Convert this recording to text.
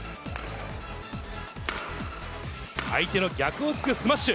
相手の逆をつくスマッシュ。